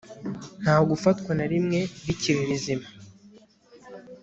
nta gufwa na rimwe rikiri rizima